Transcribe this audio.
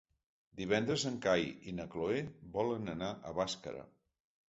Divendres en Cai i na Cloè volen anar a Bàscara.